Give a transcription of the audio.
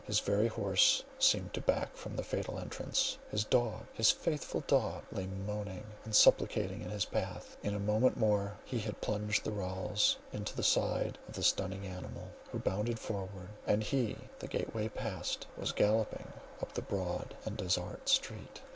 His very horse seemed to back from the fatal entrance; his dog, his faithful dog, lay moaning and supplicating in his path—in a moment more, he had plunged the rowels into the sides of the stung animal, who bounded forward, and he, the gateway passed, was galloping up the broad and desart street.